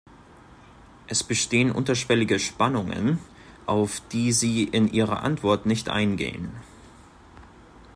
Es bestehen unterschwellige Spannungen, auf die Sie in Ihrer Antwort nicht eingehen.